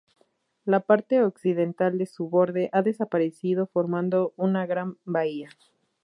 La parte occidental de su borde ha desaparecido, formando una gran bahía.